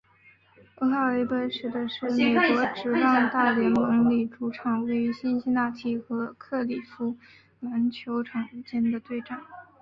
俄亥俄杯指的是美国职棒大联盟里主场位于辛辛那提和克里夫兰球队间的对战。